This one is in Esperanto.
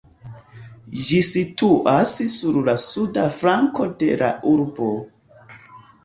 Ĝi situas sur la suda flanko de la urbo.